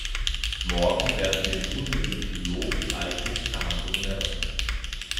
Morgen werden wir nun mit dem Trilog die eigentlichen Verhandlungen eröffnen.